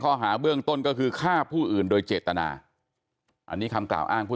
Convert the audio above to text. ข้อหาเบื้องต้นก็คือฆ่าผู้อื่นโดยเจตนาอันนี้คำกล่าวอ้างผู้